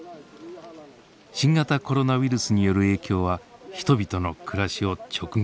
新型コロナウイルスによる影響は人々の暮らしを直撃。